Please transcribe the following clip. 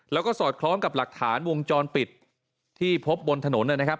แล้วก็สอดคล้องกับหลักฐานวงจรปิดที่พบบนถนนนะครับ